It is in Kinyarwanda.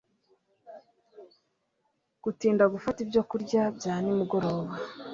Gutinda gufata ibyokurya bya nimugoroba